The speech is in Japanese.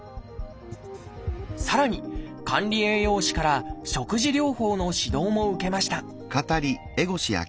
さらに管理栄養士から食事療法の指導も受けました。